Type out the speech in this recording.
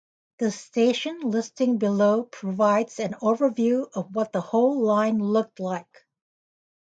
The station listing below provides an overview of what the whole line looked like.